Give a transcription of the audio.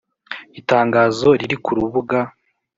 itangazo riri kurubuga.